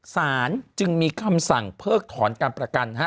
สารจึงมีคำสั่งเพิกถอนการประกัน